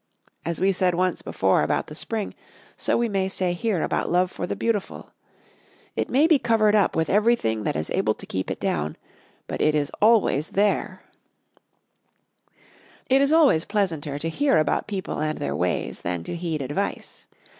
As we said once before about the spring, so we may say here about love for the beautiful: it may be covered up with every thing that is able to keep it down, but it is always there. It is always pleasanter to hear about people and their ways than to heed advice.